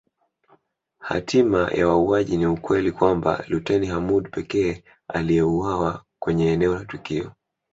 Hatima ya wauaji ni ukweli kwamba luteni Hamoud pekee aliyeuawa kwenye eneo la tukio